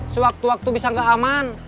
sewaktu waktu bisa nggak aman